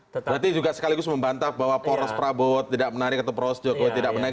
berarti juga sekaligus membantah bahwa poros prabowo tidak menarik atau poros jokowi tidak menarik